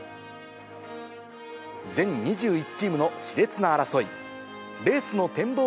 全２１チームのしれつな争い。